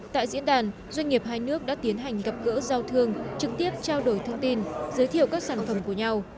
tại diễn đàn doanh nghiệp hai nước đã tiến hành gặp gỡ giao thương trực tiếp trao đổi thông tin giới thiệu các sản phẩm của nhau